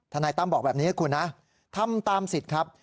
นายตั้มบอกแบบนี้คุณนะทำตามสิทธิ์ครับ